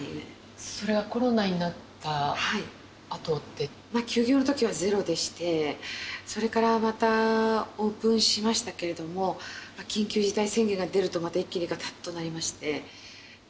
それはコロナになったあとっ休業のときはゼロでして、それからまたオープンしましたけれども、緊急事態宣言が出ると、また一気にがたっとなりまして。